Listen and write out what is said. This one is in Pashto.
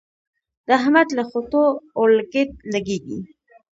د احمد له خوټو اورلګيت لګېږي.